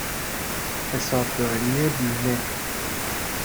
حسابداری بیمه